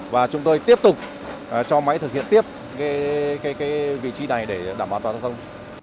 và chúng tôi tiếp tục cho máy thực hiện tiếp vị trí này để đảm bảo toàn giao thông